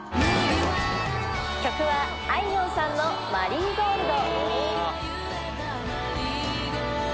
曲はあいみょんさんのマリーゴールド。